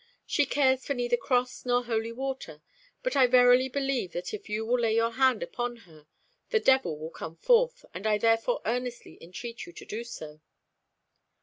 She cares for neither cross nor holy water, but I verily believe that if you will lay your hand upon her the devil will come forth, and I therefore earnestly entreat you to do so."